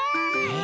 え